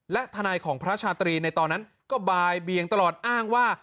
และทนายของพระชาตรีในตอนนั้นก็บ่ายเบียงตลอดอ้างว่า